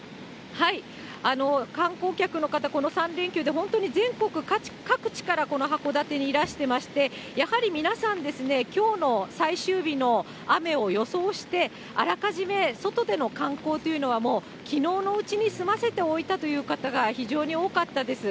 観光客の方、この３連休で本当に全国各地からこの函館にいらしてまして、やはり皆さん、きょうの最終日の雨を予想して、あらかじめ外での観光というのはもう、きのうのうちに済ませておいたという方が非常に多かったです。